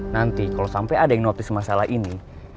nanti kalo sampe ada yang notice masalah ini